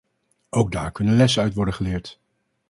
Ook daar kunnen lessen uit worden geleerd.